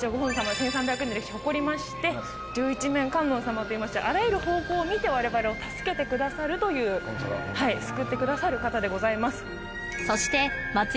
１３００年の歴史誇りまして十一面観音様といいましてあらゆる方向を見て我々を助けてくださるというはい救ってくださる方でございます